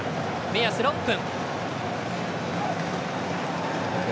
目安６分。